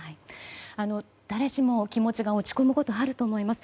誰しも気持ちが落ち込むことあると思います。